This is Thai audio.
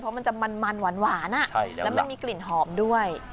เพราะมันจะมันมันหวานหวานอ่ะใช่แล้วแล้วไม่มีกลิ่นหอมด้วย